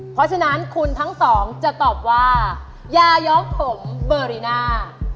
เพราะฉะนั้นคุณทั้งสองจะตอบว่ายาย้องผมเบอร์รีน่า